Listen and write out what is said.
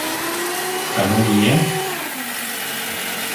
Kanuni ya